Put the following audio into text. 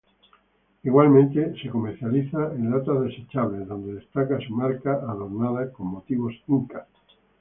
Igualmente, se comercializa en latas desechables donde destaca su marca, adornada con motivos incas.